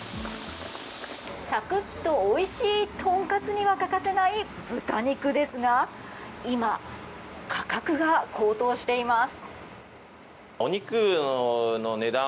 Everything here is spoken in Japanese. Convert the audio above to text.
サクッとおいしいとんかつには欠かせない豚肉ですが今、価格が高騰しています。